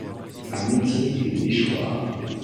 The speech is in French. Un métier fait déchoir.